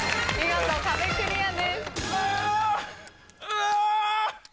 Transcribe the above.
うわ！